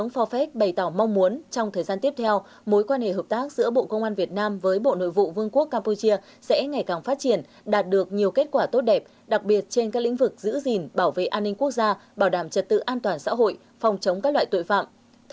phó phép bày tỏ mong muốn trong thời gian tiếp theo mối quan hệ hợp tác giữa bộ công an việt nam với bộ nội vụ vương quốc campuchia sẽ ngày càng phát triển đạt được nhiều kết quả tốt đẹp đặc biệt trên các lĩnh vực giữ gìn bảo vệ an ninh quốc gia bảo đảm trật tự an toàn xã hội phòng chống các loại tội phạm